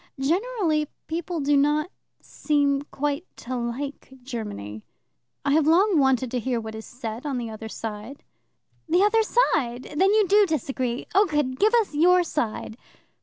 Generally people do not seem quite to like Germany. I have long wanted to hear what is said on the other side." "The other side? Then you do disagree. Oh, good! Give us your side."